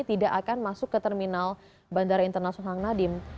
tidak akan masuk ke terminal bandara internasional hang nadiem